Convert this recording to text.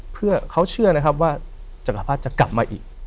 เพื่อเขาเชื่อนะครับว่าจราภาพจะกลับมาอีก